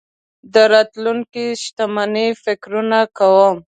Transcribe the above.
د راتلونکې شتمنۍ فکرونه کوم.